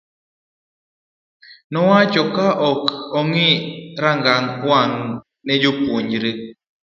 nowacho ka ok ong'i rang'ong wang' ni jopangre